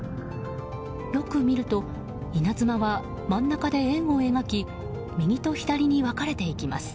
よく見ると稲妻は真ん中で円を描き右と左に分かれていきます。